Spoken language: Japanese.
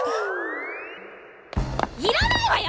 いらないわよ！